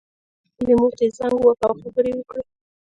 خپلې مور ته یې زنګ وواهه او خبرې یې وکړې